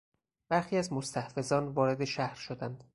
برخی از مستحفظان وارد شهر شدند.